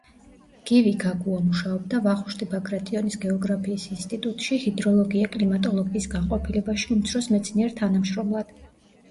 გივი გაგუა მუშაობდა ვახუშტი ბაგრატიონის გეოგრაფიის ინსტიტუტში, ჰიდროლოგია-კლიმატოლოგიის განყოფილებაში, უმცროს მეცნიერ-თანამშრომლად.